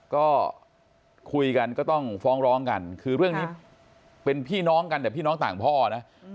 ก็คุยกันก็ต้องฟ้องร้องกันคือเรื่องนี้เป็นพี่น้องกันแต่พี่น้องต่างพ่อนะ